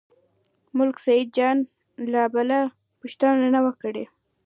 ملک سیدجان لا بله پوښتنه نه وه کړې.